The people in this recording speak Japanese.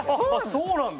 そうなんだ。